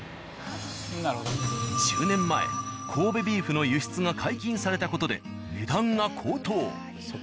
１０年前神戸ビーフの輸出が解禁された事で値段が高騰。